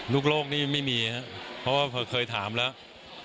ลูกโลกนี่ไม่มีเพราะว่าเคยถามแล้ว